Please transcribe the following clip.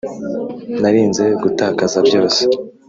narinze gutakaza byose